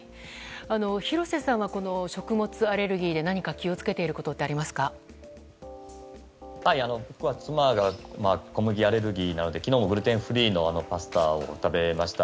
廣瀬さんは食物アレルギーで気を付けていることは僕は妻が小麦アレルギーなので昨日もグルテンフリーのパスタを食べました。